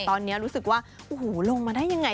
ตอนนี้รู้สึกว่าโอ้โหลงมาได้ยังไง